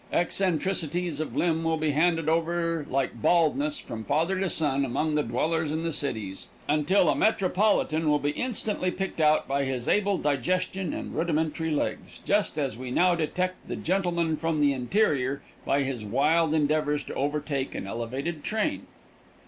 Eccentricities of limb will be handed over like baldness from father to son among the dwellers in the cities, where every advantage in the way of rapid transit is to be had, until a metropolitan will be instantly picked out by his able digestion and rudimentary legs, just as we now detect the gentleman from the interior by his wild endeavors to overtake an elevated train.